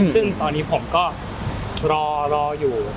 ซึ่งตอนนี้ผมก็รออยู่